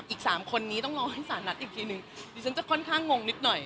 อีก๓คนนี้ต้องรอให้สารนัดอีกทีนึงดิฉันจะค่อนข้างงงนิดหน่อย